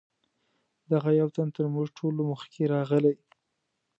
دغه یو تن تر موږ ټولو مخکې راغلی.